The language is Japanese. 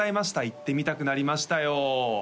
行ってみたくなりましたよ